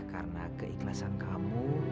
karena keikhlasan kamu